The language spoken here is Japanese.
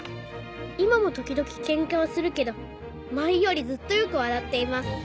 「今も時々ケンカをするけど前よりずっとよく笑っています」